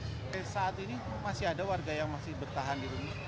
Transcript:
oke saat ini masih ada warga yang masih bertahan di di dunia